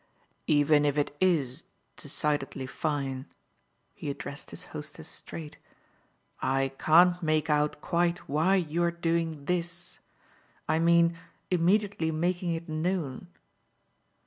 "Even if it IS decidedly fine" he addressed his hostess straight "I can't make out quite why you're doing THIS I mean immediately making it known."